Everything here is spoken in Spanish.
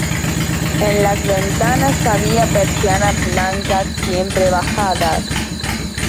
En las ventanas había persianas blancas siempre bajadas.